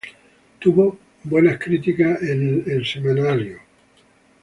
Tuvo buenas criticas en Publishers Weekly.